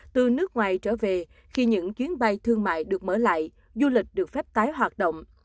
từ nước ngoài trở về khi những chuyến bay thương mại được mở lại du lịch được phép tái hoạt động